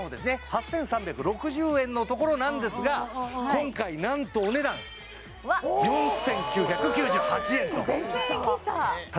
８３６０円のところなんですが今回なんとお値段４９９８円とすごーい５０００円切った！